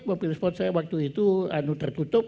mobil sport saya waktu itu tertutup